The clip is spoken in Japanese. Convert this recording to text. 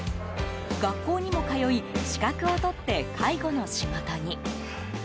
学校にも通い資格を取って介護の仕事に。